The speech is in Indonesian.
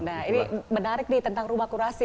nah ini menarik nih tentang rumah kurasi